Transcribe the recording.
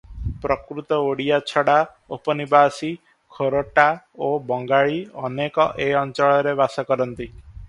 ପ୍ରକୃତ ଓଡ଼ିୟା ଛଡ଼ା ଉପନିବାସୀ ଖୋରଟା ଓ ବଙ୍ଗାଳୀ ଅନେକ ଏ ଅଞ୍ଚଳରେ ବାସ କରନ୍ତି ।